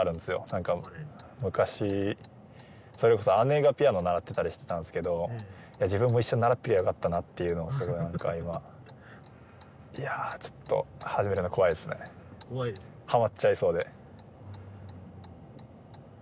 何か昔それこそ姉がピアノ習ってたりしてたんすけど自分も一緒に習ってりゃよかったなっていうのもすごい何か今いやちょっと始めるのが怖いですね怖いですか？